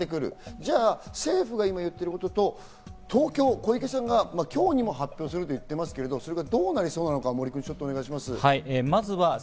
じゃあ政府が今、言ってることと、東京の小池さんが今日にも発表すると言ってますけど、それがどうなりそうか見ていきましょう。